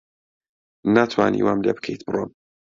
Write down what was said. ناتوانی وام لێ بکەیت بڕۆم.